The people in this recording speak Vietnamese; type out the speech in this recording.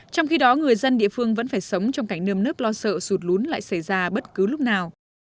trong khi đó người dân địa phương vẫn phải sống trong cảnh nâm nước lo sợ sụt lún lại xảy ra bất cứ lúc nào